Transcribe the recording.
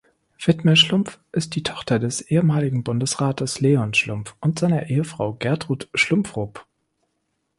Widmer-Schlumpf ist die Tochter des ehemaligen Bundesrates Leon Schlumpf und seiner Ehefrau Gertrud Schlumpf-Rupp.